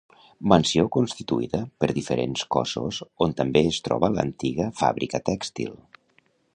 Mansió constituïda per diferents cossos on també es troba l'antiga fàbrica tèxtil.